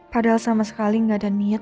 padahal sama sekali nggak ada niat